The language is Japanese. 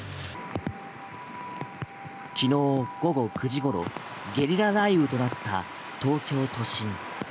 昨日午後９時ごろゲリラ雷雨となった東京都心。